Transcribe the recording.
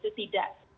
kita lupa dalam hal ini